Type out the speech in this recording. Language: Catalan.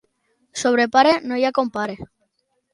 Sobre pare no hi ha compare.